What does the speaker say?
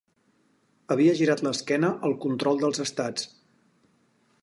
Havia girat l'esquena al control dels estats.